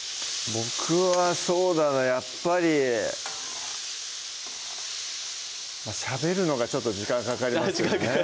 僕はそうだなやっぱりしゃべるのがちょっと時間かかりますね